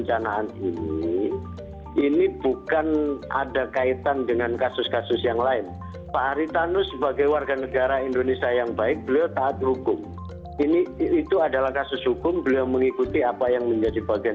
apakah ada kaitan dengan kasus kasus yang lain